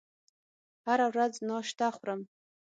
هره ورځ ناشته خورم